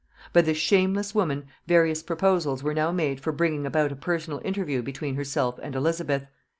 By this shameless woman various proposals were now made for bringing about a personal interview between herself and Elizabeth.